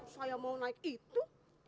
saya mau naik itu